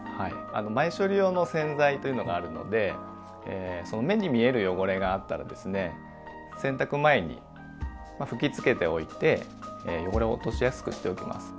前処理用の洗剤というのがあるので目に見える汚れがあったら洗濯前に吹きつけておいて汚れを落としやすくしておきます。